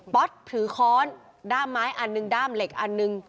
๊อตถือค้อนด้ามไม้อันหนึ่งด้ามเหล็กอันหนึ่ง